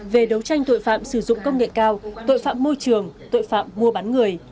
về đấu tranh tội phạm sử dụng công nghệ cao tội phạm môi trường tội phạm mua bán người